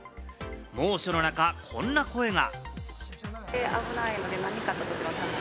猛暑の中、こんな声が。